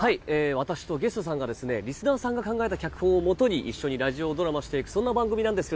私とゲストさんがリスナーさんが考えた脚本をもとに一緒にラジオドラマをしていく、そんな番組なんです。